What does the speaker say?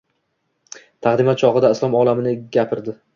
Taqdimot chog‘ida islom olamine gapirdi.